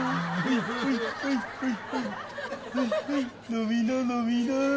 飲みな飲みな。